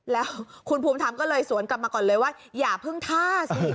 แล้วคุณภูมิธรรมก็เลยสวนกลับมาก่อนเลยว่าอย่าเพิ่งท่าสิ